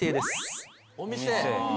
お店。